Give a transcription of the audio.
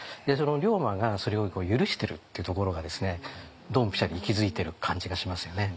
龍馬がそれを許してるっていうところがドンピシャリ息づいてる感じがしますよね。